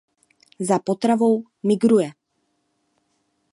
Za potravou migruje.